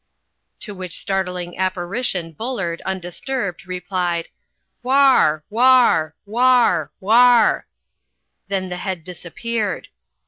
To which startling apparition Bullard, undisturbed, replied: "Wahr wahr wahr wahr!" Then the head disappeared.